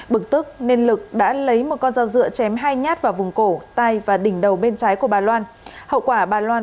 bực tức nên lực đã lấy một con dao dựa chém hai nhát vào vùng cổ tay và đỉnh đầu bên trái của bà loan